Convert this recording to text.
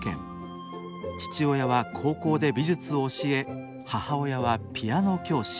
父親は高校で美術を教え母親はピアノ教師。